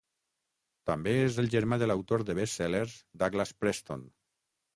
També és el germà de l'autor de best-sellers Douglas Preston.